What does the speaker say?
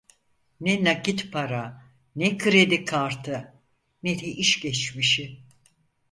Ne nakit para, ne kredi kartı, ne de iş geçmişi…